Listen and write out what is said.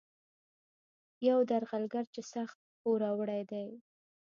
یو درغلګر چې سخت پوروړی دی.